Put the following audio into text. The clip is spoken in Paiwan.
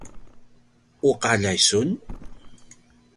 uqaljai sun?